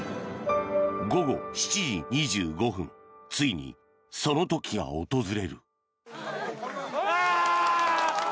午後７時２５分ついにその時が訪れる。